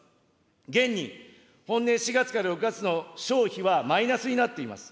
現に、本年４月から６月の消費はマイナスになっています。